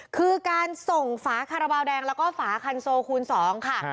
คือการส่งฝาคาราบาลแดงแล้วก็ฝาคันโซคูณ๒ค่ะ